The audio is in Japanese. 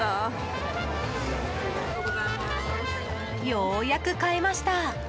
ようやく買えました。